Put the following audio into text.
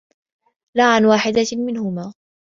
لَا عَنْ وَاحِدَةٍ مِنْهُمَا